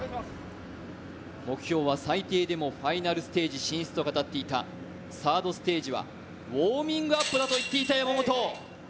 目標は最低でもファイナルステージ進出と語っていた、サードステージはウォーミングアップだと言っていた山本。